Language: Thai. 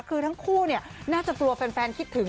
คือทั้งคู่น่าจะกลัวแฟนคิดถึง